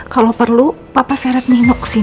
kalau perlu bapak seret nino kesini